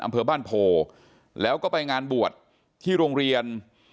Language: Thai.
อำเภอบ้านโพแล้วก็ไปงานบวชที่โรงเรียน